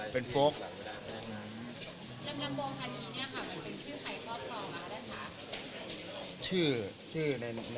มันเป็นชื่อใครพอมาได้คะ